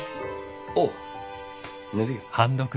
おっ塗るよ。